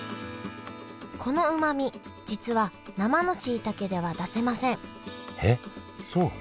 このうまみ実は生のしいたけでは出せませんえっそうなの？